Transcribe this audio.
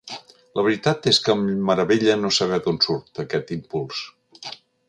La veritat és que em meravella no saber d'on surt, aquest impuls.